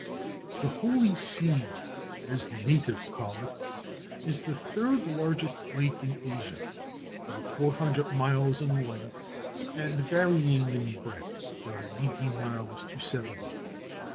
The "Holy Sea," as the natives call it, is the third largest lake in Asia about 400 miles in length, and varying in breadth from nineteen miles to seventy.